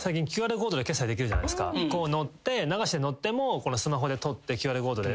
流しで乗ってもスマホで撮ってＱＲコードで。